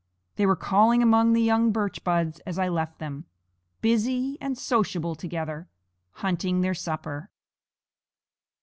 They were calling among the young birch buds as I left them, busy and sociable together, hunting their supper.